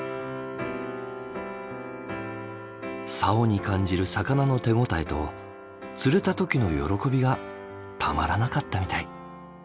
竿に感じる魚の手応えと釣れた時の喜びがたまらなかったみたい。